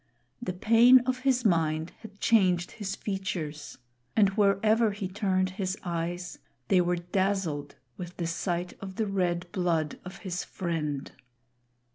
The pain of his mind had changed his features, and wherever he turned his eyes, they were dazzled with the sight of the red blood of his friend.